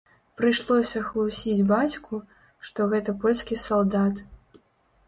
Прыйшлося хлусіць бацьку, што гэта польскі салдат.